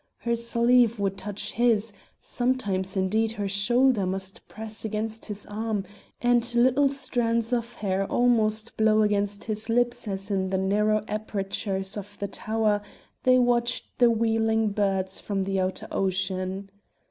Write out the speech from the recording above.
Her sleeve would touch his, sometimes, indeed, her shoulder must press against his arm and little strands of her hair almost blow against his lips as in the narrow apertures of the tower they watched the wheeling birds from the outer ocean.